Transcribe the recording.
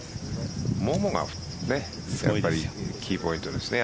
ももがやっぱりキーポイントですね。